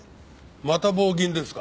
また棒銀ですか？